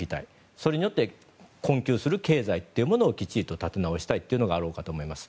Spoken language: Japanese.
それによって困窮する経済をきっちり立て直したいというのがあろうかと思います。